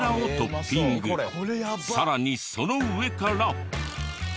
さらにその上から。